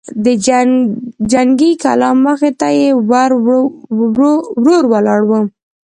د جنګي کلا مخې ته يې ورور ولاړ و.